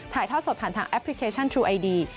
ท่อสดผ่านทางแอปพลิเคชันทรูไอดี